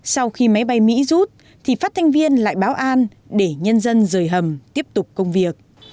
sau khi máy bay mỹ rút thì phát thanh viên lại báo an để nhân dân rời hầm tiếp tục công việc